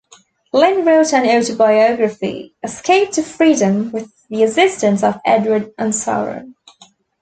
Lynn wrote an autobiography, "Escape to Freedom", with the assistance of Edward Ansara.